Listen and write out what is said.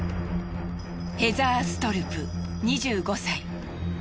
ヘザー・ストルプ２５歳。